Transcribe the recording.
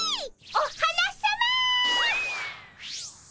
お花さま！